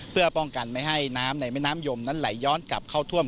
เพื่อป้องกันไม่ให้น้ำในแม่น้ำยมนั้นไหลย้อนกลับเข้าท่วม